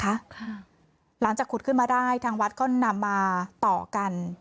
หลังจากขุดขึ้นมาได้ทางวัดก็นำมาต่อกัน